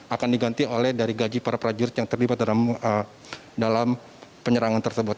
dan ini akan diganti oleh dari gaji para prajurit yang terlibat dalam penyerangan tersebut